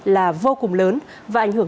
là vô cùng lớn và ảnh hưởng